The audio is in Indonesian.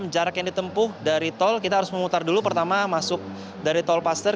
jarak yang ditempuh dari tol kita harus memutar dulu pertama masuk dari tol paster